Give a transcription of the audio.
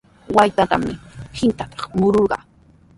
Waytatami qintrantraw mururqaa.